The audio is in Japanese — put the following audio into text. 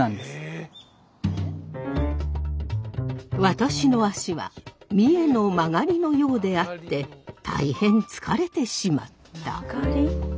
私の足は三重の勾のようであって大変疲れてしまった。